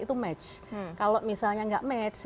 itu match kalau misalnya nggak match